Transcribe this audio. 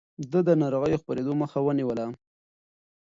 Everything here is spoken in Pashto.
ده د ناروغيو د خپرېدو مخه ونيوله.